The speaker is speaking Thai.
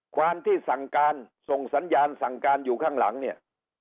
ความที่สั่งการส่งสัญญาณสั่งการอยู่ข้างหลังเนี่ย